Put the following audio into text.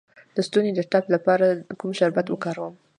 د ستوني د ټپ لپاره کوم شربت وکاروم؟